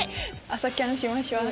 朝キャンしましょう。